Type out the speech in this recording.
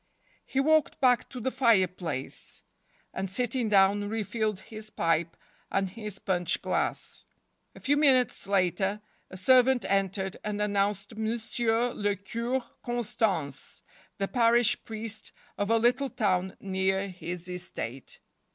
He walked back to the fire place, and, sitting down, re filled his pipe and his punch glass. A few minutes later a servant entered and an¬ nounced Monsieur le Cure Constance, the parish priest of a little town near his estate.